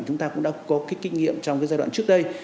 chúng ta cũng đã có cái kinh nghiệm trong cái giai đoạn trước đây